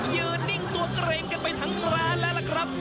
ยืนนิ่งตัวเกรงกันไปทั้งร้านแล้วล่ะครับ